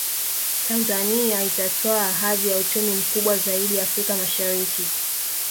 Tanzania itatwaa hadhi ya uchumi mkubwa zaidi Afrika Mashariki